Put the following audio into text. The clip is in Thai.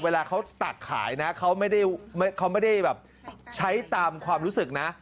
เวลาเขาตักขายนะเขาไม่ได้แบบใช้ตามความรู้สึกนะ